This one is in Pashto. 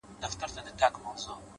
نو زه له تاسره’